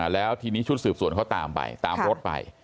แล้วทีนี้ชุดสืบสวนเขาตามไปตามรถไป